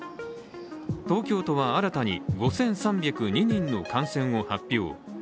東京都は新たに５３０２人の感染を発表。